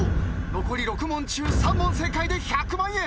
残り６問中３問正解で１００万円。